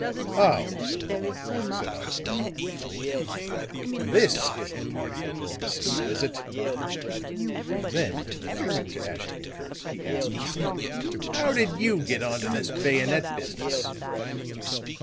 "Oh," said Osborne, ruefully, "this is the party who called to see you, is it?" Then turning to Ashton Kirk he asked: "How did you get onto this bayonet business?"